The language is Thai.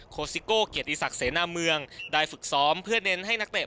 ซิโก้เกียรติศักดิ์เสนาเมืองได้ฝึกซ้อมเพื่อเน้นให้นักเตะ